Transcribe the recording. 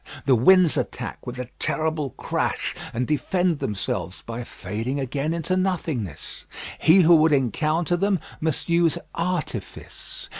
The winds attack with a terrible crash, and defend themselves by fading into nothingness. He who would encounter them must use artifice.